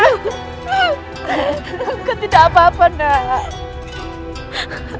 aku tidak apa apa enggak